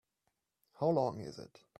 How long is it?